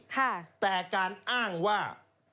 แต่การอ้างว่า